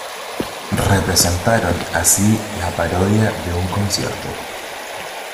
Representaron así la parodia de un concierto.